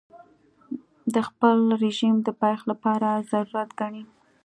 د خپل رژیم د پایښت لپاره ضرور ګڼي.